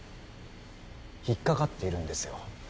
引っかかっているんですよ